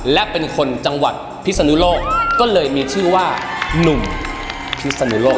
และเป็นคนจังหวัดพิศนุโลกก็เลยมีชื่อว่าหนุ่มพิศนุโลก